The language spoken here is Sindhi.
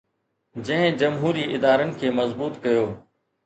جنهن جمهوري ادارن کي مضبوط ڪيو